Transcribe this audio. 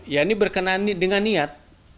ya ini berkenaan dengan niat